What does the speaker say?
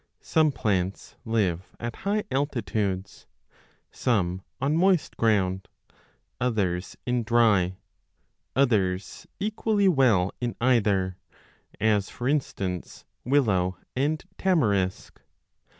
Some plants live at high altitudes, some on moist ground, others in dry, others equally well in either, as, for instance, willow and tamarisk.